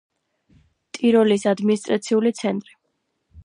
ტიროლის ადმინისტრაციული ცენტრი.